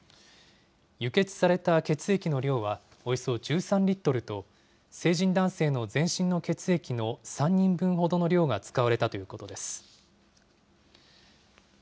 輸血された血液の量はおよそ１３リットルと、成人男性の全身の血液の３人分ほどの量が使われたということです。